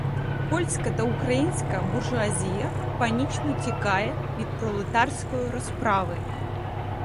Польська та українська "буржуазія" панічно тікає від "пролетарської розправи".